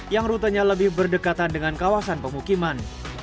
yang rutenya lebih berdekatan dengan kawasan pemukiman